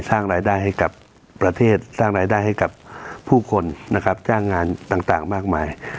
สร้างรายได้ให้กับประเทศสร้างรายได้ให้กับผู้คนนะครับจ้างงานต่างมากมาย